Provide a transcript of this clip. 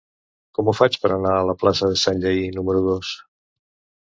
Com ho faig per anar a la plaça de Sanllehy número dos?